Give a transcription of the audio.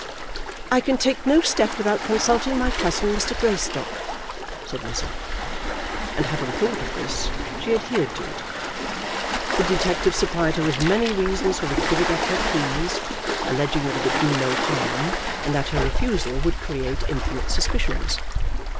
"I can take no step without consulting my cousin, Mr. Greystock," said Lizzie; and having thought of this she adhered to it. The detective supplied her with many reasons for giving up her keys, alleging that it would do no harm, and that her refusal would create infinite suspicions.